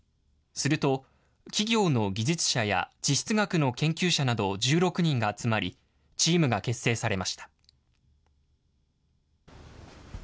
すると、企業の技術者や地質学の研究者など１６人が集まり、チームが結成されました。